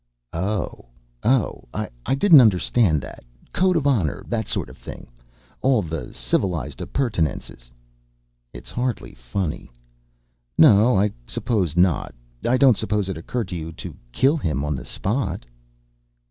"Oh. Oh, I didn't understand that. Code of honor that sort of thing. All the civilized appurtenances." "It's hardly funny." "No, I suppose not. I don't suppose it occurred to you to kill him on the spot?"